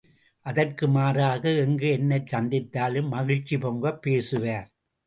அதற்கு மாறாக எங்கு என்னைச் சந்தித்தாலும் மகிழ்ச்சி பொங்கப் பேசுவார்.